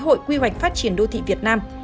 hội quy hoạch phát triển đô thị việt nam